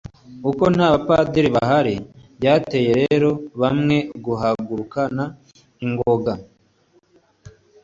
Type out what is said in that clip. uko nta bapadiri bahari.byateye rero bamwe guhagurukana ingoga, basubiza ibintu mu buryo ku